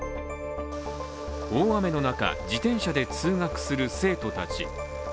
大雨の中、自転車で通学する生徒たち。